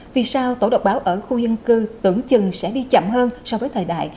vì sao tổ độc báo ở khu dân cư tưởng chừng sẽ đi chậm hơn so với thời đại